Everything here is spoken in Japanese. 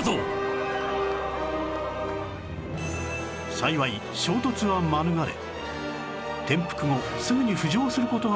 幸い衝突は免れ